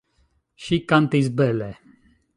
Ŝi kantis bele.